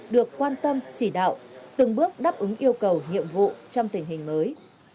được quan tâm chỉ đạo từng bước đáp ứng yêu cầu nhiệm vụ trong tình hình mới